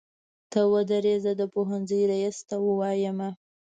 ته ودرې زه د پوهنځۍ ريس ته وويمه.